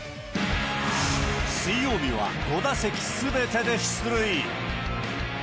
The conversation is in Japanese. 水曜日は５打席すべてで出塁。